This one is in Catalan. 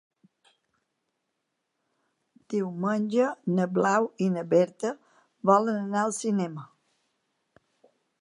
Diumenge na Blau i na Berta volen anar al cinema.